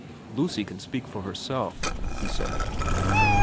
' Lucy can speak for herself,' he said.